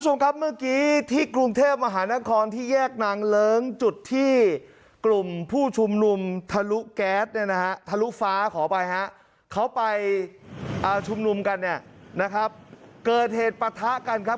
คุณผู้ชมครับเมื่อกี้ที่กรุงเทพมหานครที่แยกนางเลิ้งจุดที่กลุ่มผู้ชุมนุมทะลุแก๊สเนี่ยนะฮะทะลุฟ้าขออภัยฮะเขาไปชุมนุมกันเนี่ยนะครับเกิดเหตุปะทะกันครับ